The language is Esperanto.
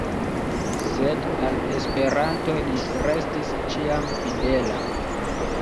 Sed al Esperanto li restis ĉiam fidela.